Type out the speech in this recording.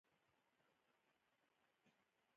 د حکمتیار او دوستم د ایتلاف جنګ و.